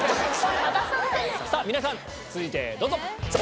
皆さん続いてどうぞ！